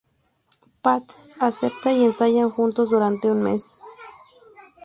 Pat acepta y ensayan juntos durante un mes.